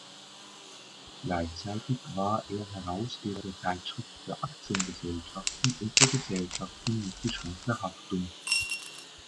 Gleichzeitig war er Herausgeber der Zeitschrift für Aktiengesellschaften und für Gesellschaften mit beschränkter Haftung.